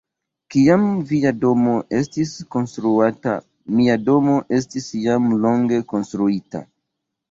Kiam via domo estis konstruata, mia domo estis jam longe konstruita.